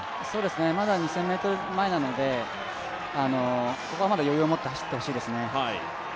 まだ２０００ｍ前なので、ここはまだ余裕を持って走ってほしいですね。